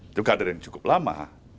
itu kader yang cukup lama